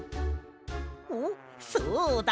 おっそうだ！